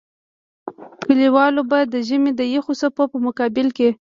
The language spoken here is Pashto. کلیوالو به د ژمي د يخو څپو په مقابل کې.